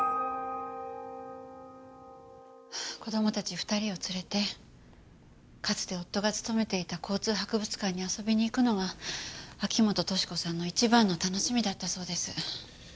子どもたち２人を連れてかつて夫が勤めていた交通博物館に遊びに行くのが秋本敏子さんの一番の楽しみだったそうです。